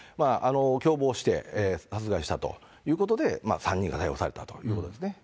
共謀して殺害したということで、３人が逮捕されたということです